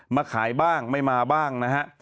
มาขายบ้างไม่มาบ้างนะฮะ